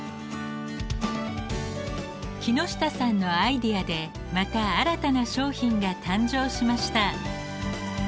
木下さんのアイデアでまた新たな商品が誕生しました。